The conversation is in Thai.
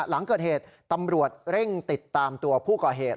หลังเกิดเหตุตำรวจเร่งติดตามตัวผู้ก่อเหตุ